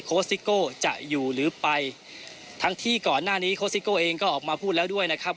ซิโก้จะอยู่หรือไปทั้งที่ก่อนหน้านี้โค้ซิโก้เองก็ออกมาพูดแล้วด้วยนะครับ